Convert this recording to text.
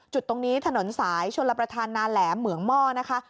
จุดตรงนี้ถนนสายชนลประธานนาแหลมเหมืองหม้อนะคะ